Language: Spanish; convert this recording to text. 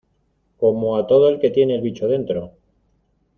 como a todo el que tiene el bicho dentro.